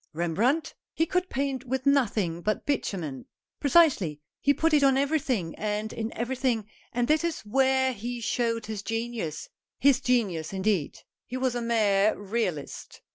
"Rembrandt? He could paint with nothing but bitumen." "Precisely, he put it on everything and in every thing, and that is where he showed his genius." " His genius, indeed ! He was a mere realist."